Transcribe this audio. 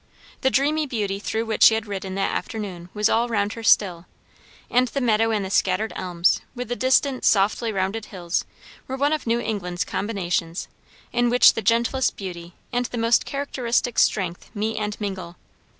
The dreamy beauty through which she had ridden that afternoon was all round her still; and the meadow and the scattered elms, with the distant softly rounded hills, were one of New England's combinations, in which the gentlest beauty and the most characteristic strength meet and mingle.